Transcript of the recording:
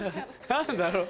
何だろう？